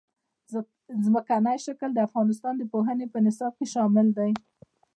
ځمکنی شکل د افغانستان د پوهنې په نصاب کې شامل دي.